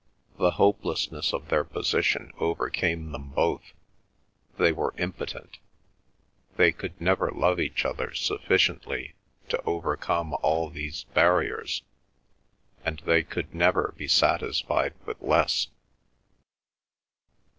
The hopelessness of their position overcame them both. They were impotent; they could never love each other sufficiently to overcome all these barriers, and they could never be satisfied with less.